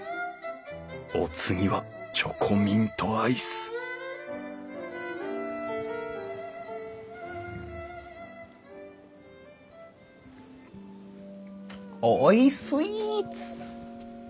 お次はチョコミントアイスおいスイーツ！